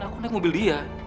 aku naik mobil dia